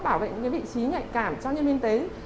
bảo vệ những vị trí nhạy cảm cho nhân viên y tế